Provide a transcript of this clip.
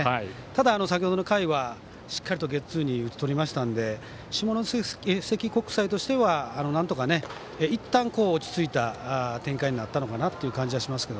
ただ、先程の回はしっかりとゲッツーに打ち取りましたんで下関国際としてはなんとかいったん落ち着いた展開になったと感じます。